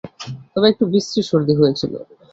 তবে একটু বিশ্রী সর্দি হয়েছিল।